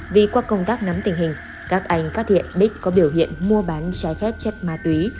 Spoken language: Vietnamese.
vì qua công tác nắm tình hình các anh phát hiện bích có biểu hiện mua bán trái phép chất ma túy